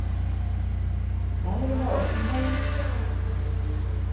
- Әле генә ошонда инесе...